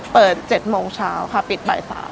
เปิด๗โมงเช้าค่ะปิดบ่าย๓